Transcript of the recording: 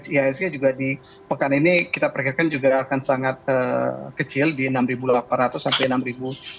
isk juga di pekan ini kita perkenalkan juga akan sangat kecil di enam delapan ratus sampai enam sembilan ratus enam puluh satu